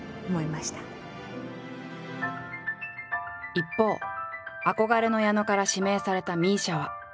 一方憧れの矢野から指名されたＭＩＳＩＡは。